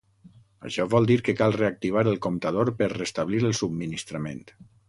Això vol dir que cal reactivar el comptador per restablir el subministrament.